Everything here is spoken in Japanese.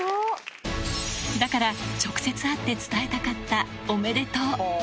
だから、直接会って伝えたかったおめでとう。